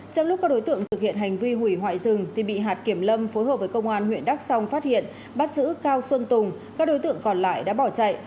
trong lúc các đối tượng thực hiện hành vi hủy hoại rừng thì bị hạt kiểm lâm phối hợp với công an huyện đắk song phát hiện bắt giữ cao xuân tùng các đối tượng còn lại đã bỏ chạy